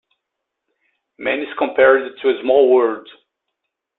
Man is compared to a "small world".